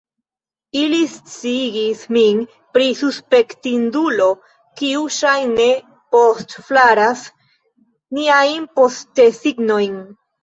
Ili sciigis min pri suspektindulo, kiu ŝajne postflaras niajn postesignojn.